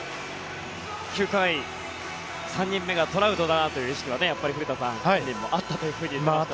９回、３人目がトラウトだという意識はやっぱり古田さん本人もあったと言ってましたね。